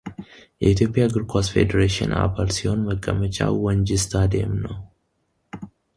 የኢትዮጵያ እግር ኳስ ፌዴሬሽን አባል ሲሆን መቀመጫው ወንጂ ስታዲየም ነው።